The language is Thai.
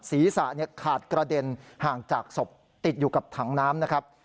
ศีรษะขาดกระเด็นห่างจากศพติดอยู่กับถังน้ำนะครับ